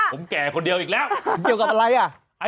ผมแก่คนเดียวอีกแล้วเกี่ยวกับอะไรอ่ะ